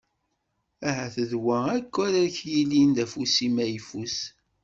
Ahat d wa akk ara yillin d afus-im ayfus.